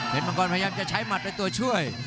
มังกรพยายามจะใช้หมัดเป็นตัวช่วย